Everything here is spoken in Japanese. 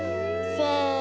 せの。